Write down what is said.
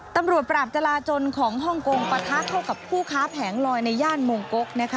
ตำรวจปราบจราจนของฮ่องกงปะทะเข้ากับผู้ค้าแผงลอยในย่านมงกกนะคะ